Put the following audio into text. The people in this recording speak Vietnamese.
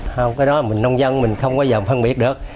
sau cái đó mình nông dân mình không bao giờ phân biệt được